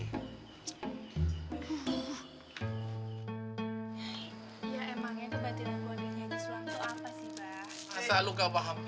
ya emangnya kebatilan buat dia nyanyi sulam tuh apa sih bah